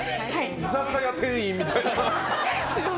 居酒屋店員みたいな。